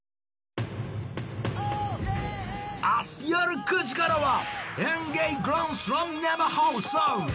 明日夜９時からは「ＥＮＧＥＩグランドスラム」生放送。